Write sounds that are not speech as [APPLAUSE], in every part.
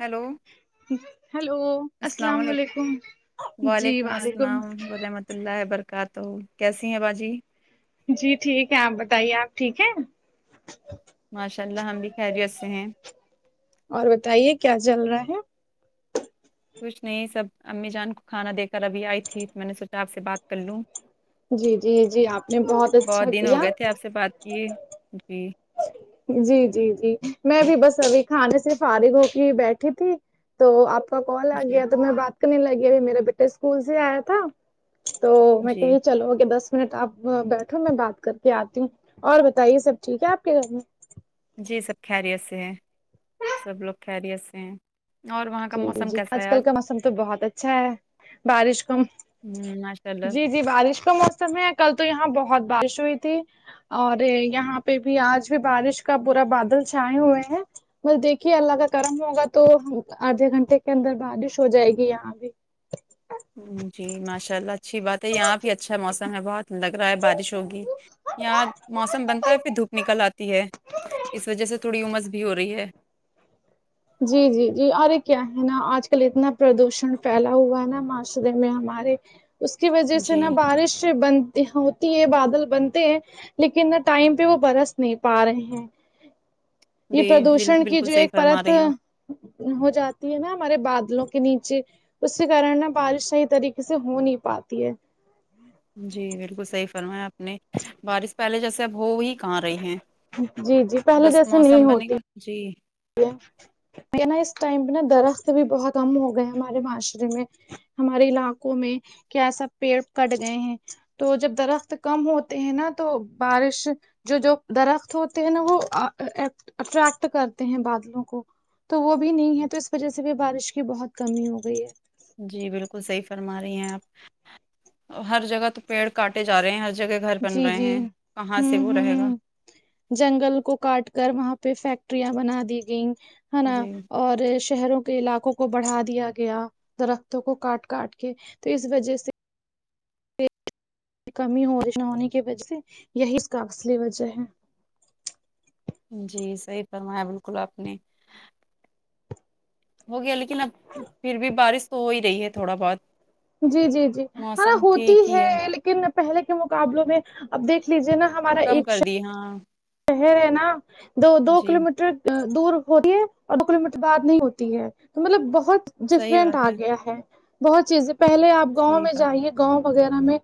Hello hello السلام علیکم جی وعلیکم السلام ورحمۃ اللہ برکارات ہو کیسی ہیں باجی جی ٹھیک ہے آپ بتائیے آپ ٹھیک ہے ماشاء اللہ ہم بھی خیریت سے ہیں اور بتائیے کیا چل رہا ہے کچھ نہیں سب امی جان کو کھانا دے کر ابھی آئی تھی میں نے سوچا آپ سے بات کر لوں جی جی جی آپ نے بہت اچھا دن ہو کیا گئے تھے آپ سے بات کیے جی جی جی جی میں بھی بس ابھی کھانے سے فارغ ہو کے ہی بیٹھی تھی تو آپ کا کال جی آگیا تو میں بات کرنے لگ گیا اور میرے بیٹے اسکول سے آیا تھا تو میں جی کہی چلو اگے بس منٹ آپ یہاں بیٹھو میں بات کر کے آتی ہوں اور بتائیے سب ٹھیک ہے آپ کے گھر میں جی سب خیریت سے ہے سب لوگ خریت سے ہیں اور وہاں کا جی جی موسم جی کیسا آج ہے کل کا موسم تو بہت اچھا ہے بارش کو ہم، ماشاء اللہ جی جی بارش کا موسم ہے کل تو یہاں بہت بارش ہوئی تھی اریگ یہاں پہ بھی آج بھی بارش کا پورا بادل چھائے ہوئے ہیں بس دیکھیے اللہ کا کرم ہوگا تو آدھے گھنٹے کے اندر بارش ہو جائے گی یہاں بھی جی ماشاء اللہ اچھی بات ہے یہاں بھی اچھا موسم ہے بہت لگ رہا ہے بارش ہوگی یہاں موسم بنتا ہے پھر دھوپ نکل آتی ہے اس وجہ سے تھوڑی امس بھی ہو رہی ہے جی جی جی ارے کیا ہے نا آج کل اتنا پردوشن پھیلا ہوا ہے نا معاشرے میں ہمارے اس کی وجہ سے جی نا بارش سے بند ہوتی ہے بادل بنتے ہیں لیکن ٹائم پہ وہ برس نہیں پا رہے ہیں یہ جی پردوشن کی بالکل جو صحیح ایک فرما پرت رہے ہیں آپ ہو جاتی ہے نا ہمارے بادلوں کے نیچے اسی کارن نا بارش صحیح طریقے سے ہو نہیں پاتی ہے جی بالکل صحیح فرمایا اپ نے بارش پہلے جیسے اب ہو وہی کہاں رہی ہیں جی جی پہلے بس جیسے نہیں موسم بنے ہوتی گا جی یہ نا اس ٹائم پہ نا درخت بھی بہت کم ہو گئے ہمارے معاشرے میں ہمارے علاقوں میں کیا سب پیڑ کٹ گئے ہیں تو جب درخت کم ہوتے ہیں نا تو بارش جو جو درخت ہوتے ہیں نا وہ ا اٹریکٹ کر تے ہیں بادلوں کو تو وہ بھی نہیں ہے تو اس وجہ سے بھی بارش کی بہت کمی ہو گئی ہے جی بالکل صحیح فرما رہی ہیں آپ ہر جگہ تو پیڑ کاٹے جا رہے ہیں آج جگہ گھر بن جی رہے جی ہیں کہاں سے ہوں وہ رہے گا ہوں جنگل کو کاٹ کر وہاں پہ فیکٹریاں بنادی گئیں ہے نا جی اور شہروں علاقوں کو بڑھا دیا گیا درختوں کو کاٹ کاٹ کے تو اس وجہ سے کمی ہو بارش نہ ہونے کی وجہ سے یہی اس کا اصلی وجہ ہے جی صحیح فرمایا بالکل آپ نے ہو گیا لیکن اب پھر بھی بارش تو ہو ہی رہی ہے تھوڑا بہت جی جی جی ہاں موسم ہوتی ٹھیک ہی ہے لیکن پہلے کے مقابلوں میں اب دیکھ لیجیے نا ہمارا ایک شو اے ہاں شہر ہے نا دو دو جی کلو میٹر دور ہو رہی ہے اور دو کلو مٹر بعد نہیں ہوتی ہے مطلب بہت صحیح ڈفرینٹ بات آ گیا ہے بہت چیزیں پہلے آپ گاؤں صحیح میں بات جائیے گاؤں وغیرہ میں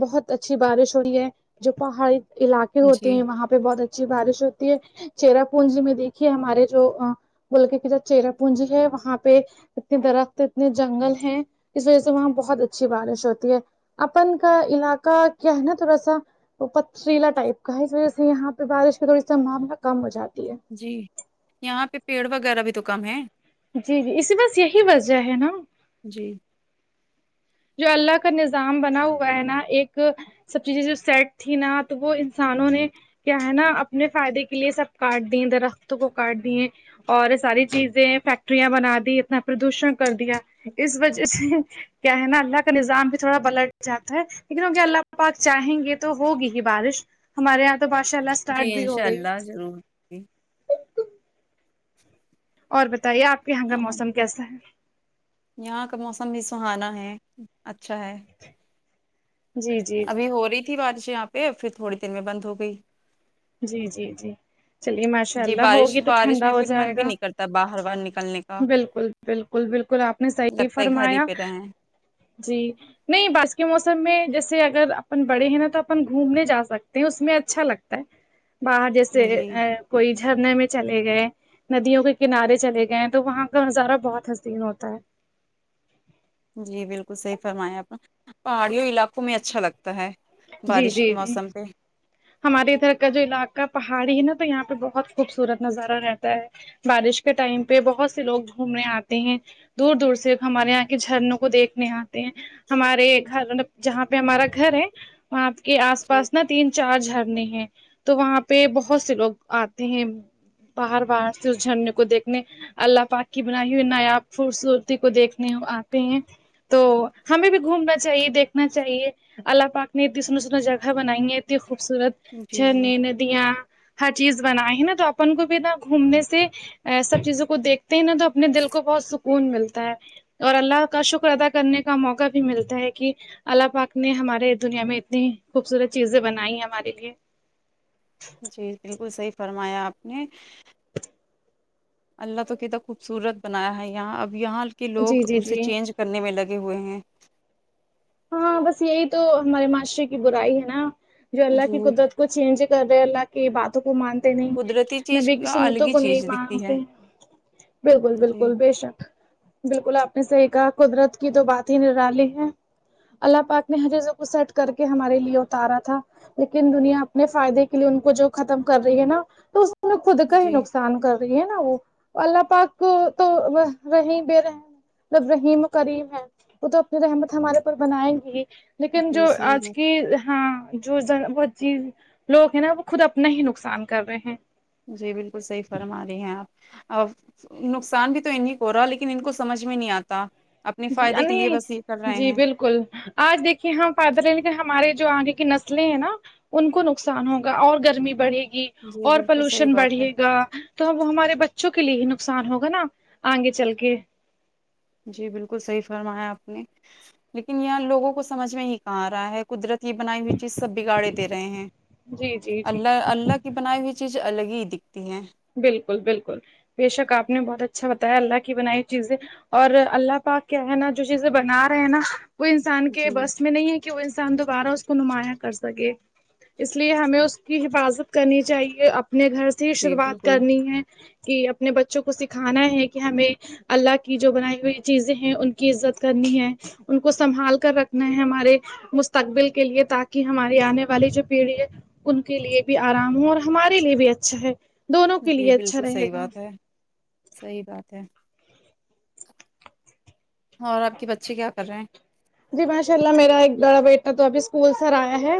بہت اچھی بارش ہو رہی ہے جو پہاڑی علاقے ہے ہوتے جی ہیں وہاں پہ بہت اچھی بارش ہوتی ہے چرا پونجی میں دیکھیے ہمارے جو ا بولک کہ جو چرا پونجی ہے وہاں پہ اتنے درخت اتنے جنگل ہیں اس وجہ سے وہاں بہت اچھی بارش ہوتی ہے اپن کا علاقہ کیا ہے نا تھوڑا سا وہ پتھریلا ٹائپ کا ہے اس وجہ سے یہاں پہ بارش کا تھوڑی سا معاملہ کم ہو جاتی ہے جی یہاں پہ پیڑ وغیرہ بھی تو کم ہے جی جی اسی بس یہی وجہ ہے نا جی جو اللہ کا نظام بنا ہوا ہے نا ایک سب چیزیں جو سیٹ تھی نا تو وہ انسانوں نے کیا ہے نا اپنے فائدے کے لیے سب کاٹ دیں درختوں کو کاٹ دیے اور ساری چیزیں فیکٹریاں بنادی اتنا پردوشن کر دیا اس وجہ سے کیا ہے نا اللہ کا نظام بھی تھوڑا پلٹ جاتا ہے لیکن اگر اللہ پاک چاہیں گے تو ہوگی ہی بارش ہمارے یہاں تو باشا جی انشاء اللہ ضرور جی۔ اور بتائیے آپ کے یہاں کا ہاں، موسم کیسا ہے یہاں کا موسم بھی سہانا ہے اچھا ہے جی جی جی ابھی ہو رہی تھی بارشیں یہاں پہ پھر تھوڑی دن میں بند ہو گئی جی جی جی چلیے ماشاء جی اللہ بارش ہوگی تو بارش ٹھنڈا میں ہو پھر من جائے بھی گا نہیں کرتا باہر باہر نکلنے کا بالکل بالکل بالکل آپ نے صحیح لگتا ہے گھر ہی فرمایا پہ رہیں جی نہیں بارش کے موسم میں جیسے اگر اپن بڑے ہیں نا تو اپن گھومنے جا سکتے ہیں اس میں اچھا لگ باہر جیسے جی کوئی جھرنے میں چلے گئے ندیوں کے کنارے چلے گئے ہیں تو وہاں کا نظارہ بہت حسین ہوتا ہے جی بالکل صحیح فرمایں آپ نے پہاڑیوں علاقوں میں اچھا لگتا ہے جی بارش کے جی جی موسم پ ہمارے ادھر کا جو علاقہ پہاڑی ہے نا تو یہاں پہ بہت خوبصورت نظارہ رہتا ہے بارش کے ٹائم پہ بہت سے لوگ گھومنے آتے ہیں دور دور سے ہمارے یہاں کے جھرنوں کو دیکھنے آئے ہمارے گھر جہاں پہ ہمارا گھر ہے وہاں کے آس پاس نہ چار جھرنے ہیں تو وہاں پہ بہت سے لوگ آتے ہیں باہر باہر سے اس جھرنے کو دیکھنے اللہ پاک کی بنائی ہوئی نایاب خوبصورتی کو دیکھنے آتے ہیں تو ہمیں بھی گھومنا چاہیے دیکھنا چاہیے اللہ پاک نے اتنی سندر سندر جگہ بنائی ہیں اتنی خوبصورت جی جی جھرنے ندیاں ہر چیز بنائے ہے نا تو اپن کو بھی گھومنے سے سب چیزوں کو دیکھ تے نا تو اپنے دل کو بہت سکون ملتا ہے اور اللہ کا شکر ادا کرنے کا موقع بھی ملتا ہے کہ اللہ پاک نے ہمارے دنیا میں اتنی خوبصورت چیزیں بن نائی ہمارے لیے جی بالکل صحیح فرمایا آپ نے اللہ تو کتنا خوبصورت بنایا ہے یہاں اب یہاں کے جی لوگ جی اسے جی چینج کرنے میں لگے ہوئے ہیں ہاں بس یہی تو ہمارے معاشرے کی برائی ہے نا جو اللہ جی کی قدرت کو چینج کر رہے اللہ کی باتوں کو مانتے نہیں قدرتی ہیں چیز نبی کی الگ سنتوں ہی کو نہیں چیز دکھتی ہے مانتے ہیں بالکل جی بالکل بے شک بالکل آپ نے صحیح کہا قدرت کی تو بات ہی نرالی ہے اللہ پاک نے حجزب کو سیٹ کر کے ہمارے لیے اتارا تھا لیکن دنیا اپنے فائدے کے لیے ان کو جو ختم کر رہی ہے نا تو اس خود کا ہی جی نقصان کام کر رہی ہے نا وہ اللہ پاک کو تو وہی بے رحم مطلب رحیم و کریم ہے وہ تو اپنی رحمت ہمارے پر بنائیں گئی لیکن جی جو صحیح آج بات کی ہاں جو ز وہ چیز لوگ ہیں نا وہ خود اپنا ہی نقصان کر رہے ہیں جی بالکل صحیح فرما رہی ہیں آپ اور نقصان بھی تو انہیں کو ہو رہا لیکن ان کو سمجھ میں نہیں آتا اپنے جی فائدے کے لیے نہیں بس یہ کر رہے جی ہیں بالکل آج دیکھیے ہ [UNINTELLIGIBLE] کہ ہمارے جو آگے کی نسلیں ہیں نا ان کو نقصان ہوگا اور گرمی بڑھے گی جی اور بالکل صحیح پولوشن بات ہے بڑھے گا تو اب وہ ہمارے بچوں کے لیے ہی نقصان ہوگا نا آگے چل کے جی بالکل صحیح فرمایا آپ نے لیکن یہاں لوگوں کو سمجھ میں ہی کہاں آ رہا ہے قدرتی یہ بنائی ہوئی چیز سب بگاڑے دے رہے ہیں جی جی جی اللہ اللہ کی بنائی ہوئی چیز الگ ہی دکھتی ہیں بالکل بالکل بے شک آپ نے بہت اچھا بتایا اللہ کی بنائی چیزیں اور اللہ پاک کیا ہے نا جو چیزیں بنا رہے ہیں نا وہ انسان کے جی بس میں نہیں ہے کہ وہ انسان دوبارہ اس کو نمایاں کر سکے اس لیے ہمیں اس کی حفاظت کرنی چاہیے اپنے گھر سے ہی جی شروعات بالکل کرنی ہے کہ اپنے بچوں کو سکھانا ہے کہ ہمیں اللہ کی جو بنائی ہوئی چیزیں ہیں ان کی عزت کرنی ہے ان کو سنبھال کر رکھنا ہے ہمارے مستقبل کے لیے تاکہ ہماری آنے والی جو پیڑھی ہے ان کے لیے بھی آرام ہو اور ہمارے لیے بھی اچھا ہے دونوں کے جی لیے اچھا بالکل رہے صحیح گا بات ہے صحیح بات ہے اور آپ کے بچے کیا کر رہے ہیں جی ماشاء اللہ میرا ایک بڑا بیٹا تو ابھی اسکول سر آیا ہے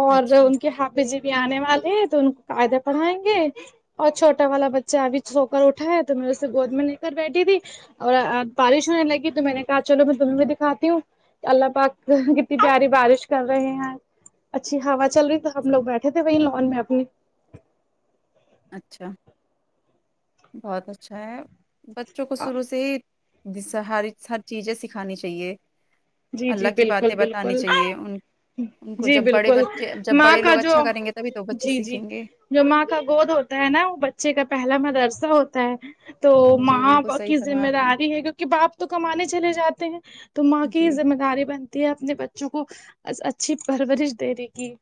اور اچھا ان کے ہ بی جی بھی آنے والے ہیں تو ان کو فائدے پڑھائیں گے اور چھوٹا والا بچہ ابھی سو کر اٹھا ہے تو میں اسے گود میں لے کر بیٹھی تھی اور ا بارش ہونے لگی تو میں نے کہا چو میں تمہیں بھی دکھاتی ہوں اللہ پاک کتنی پیاری بارش کر رہے ہیں اچھی ہوا چل رہی تھی تو ہم لوگ بیٹھے تھے وہیں لون میں اپنی اچھا بہت اچھا ہے بچوں کو شروع سے ہی جس سے ہر ہر چیزیں سکھانی چاہیے جی اللہ جی کی بالکل باتیں بتانی بالکل چاہیے ان ان کو جی جب بڑے بالکل بچے جب ماں بڑے کا لوگ جو اچھا کریں گے تبھی تو وہ بچے جی جی سیکھیں گے جو ماں کا گود ہوتا ہے نا وہ بچے کا پہلا مدرسہ ہوتا ہے تو جی ماں بالکل صحیح کی فرمایا ذمہ آپ نے داری ہے کیونکہ باپ تو کمانے چلے جاتے ہیں تو ماں کی جی ذمہ داری بنتی ہے اپنے بچوں کو اچھی پرورش دینے کی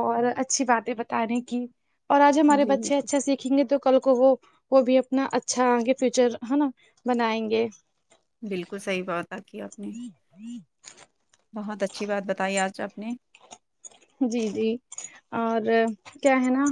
اور اچھی باتیں بتانے کی اور آج ہمارے جی بچے بالکل اچھا سیکھ دکھیں گے تو کل کو وہ وہ بھی اپنا اچھا آگے فیوچر ہے نا بنائیں گے بالکل صحیح وعدہ کیا آپ نے ہ [INAUDIBLE] بہت اچھی بات بتائی آج آپ نے جی جی اور کیا ہے نا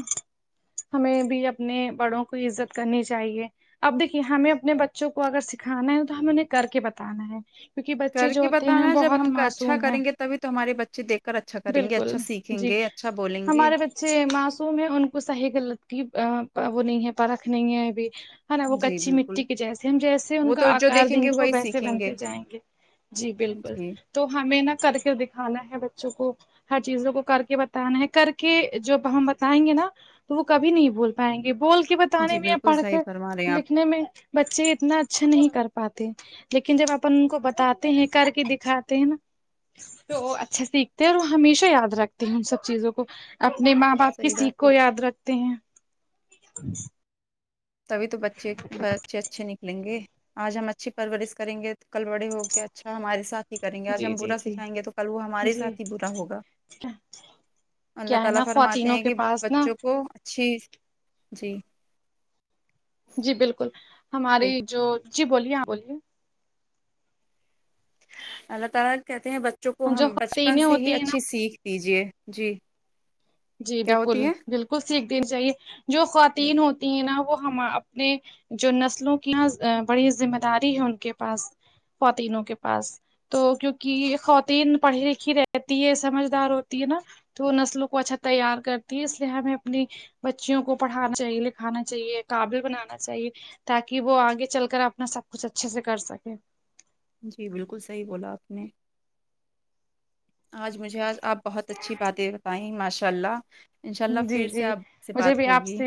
ہمیں بھی اپنے بڑوں کو عزت کرنی چاہیے اب دیکھیے ہمیں اپنے بچوں کو اگر سکھانا ہے تو ہمیں انہیں کر کے بتانا ہے کیونکہ بچے کر جو کے ہوتے ہیں نا بتانا ہے، جب بہت ہم کا اچھا معصوم ہے کریں گے تبھی تو ہمارے بچے دکھ کر اچھا کریں گے اچھا سیکھیں گے اچھا بولیں گے چھ معصوم ہے ان کو صحیح غلط کی ا ا وہ نہیں ہے پرکھ نہیں ہے ابھی ہے نا وہ جی کچی بالکل مٹی کے جیسے ہم جیسے ان وہ کا تو جو آکار دیکھیں دیں گے وہ وہی ویسے سیکھیں گے بنتے جائیں گے جی بالکل جی تو ہمیں نا کر کے دکھانا ہے بچوں کو ہر چیزوں کو کر کے بتانا ہے کر کے جب ہم بتائیں گے نا تو وہ کبھی نہیں بھول پائیں گے بول کے بتانے جی میں یا بالکل پڑھ کے صحیح فرما رہے ہیں آپ لکھنے میں بچے اتنا اچھا نہیں کر پاتے لیکن جب اپن ان کو بتاتے ہیں کر کے دکھاتے ہیں نا تو وہ اچھا سیکھتے اور ہمیشہ یاد رکھتے ہیں ان سب چیزوں کو اپنے ماں باپ کی صحیح سیکھ بات ہے کو یاد رکھ تے ہیں تبھی تو بچے بچے اچھے نکلیں گے آج ہم اچھی پرورش کریں گے تو کل بڑے ہو کے اچھا ہمارے ساتھ کریں گے آج جی ہم جی برا جی سکھائیں گے تو کل وہ ہمارے جی سات ہی برا ہوگا اللہ کیا ہے تعالی نا فرماتے خواتینوں ہیں کے کہ پاس نا بچوں کو اچھی جی جی بالکل ہماری جی جو جی بولیے ہاں بولیے اللہ تعالی کہتے ہیں بچوں کو جو ہم بچپن خواتینیں سے ہی ہوتی ہیں اچھی سیکھ دیجے جی جی کیا بالکل ہوتی ہے بالکل سیکھ دینی چاہیے جو خواتین ہوتی ہیں نا وہ ہم اپنے جو نسلوں کی یہاں بڑی ذمہ داری ہے ان کے پاس خواتینوں کے پاس تو کیونکہ خواتین پڑھی لکھی رہتی ہے سمجھدار ہوتی ہے نا تو وہ نسلوں کو اچھا تیار کرتی ہے اس لیے ہمیں اپنی بچیوں کو پڑھانا چاہیے لکھانا چاہیے قابل بنانا چاہیے تاکہ وہ آگے چل کر اپنا سب کچھ اچھے سے کر سکے جی بالکل صحیح بولا آپ نے آج مجھے آج آپ بہت اچھی باتیں بتائیں ماشاء اللہ انشاء اللہ جی پھر سے جی آپ سے مجھے بات بھی آپ ہوگی سے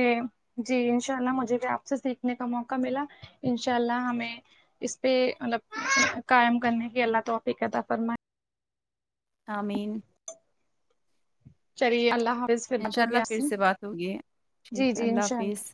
جی انشاء اللہ مجھے بھی آپ سے سیکھنے کا موقع ملا انشاء اللہ ہمیں اس پہ مطلب قائم کرنے کے اللہ تو توفیق عطا فرمائے آمین چلیے اللہ حافظ پھر بات انشاء ہوگی اللہ آپ پھر سے بات ہوگی جی ٹھیک ہے جی انشاء حافظ اللہ